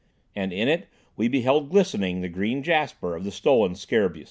And in it we beheld glistening the green jasper of the stolen scarabaeus.